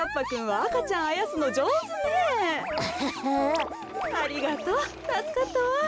ありがとうたすかったわ。